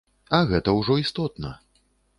А гэта ўжо істотна.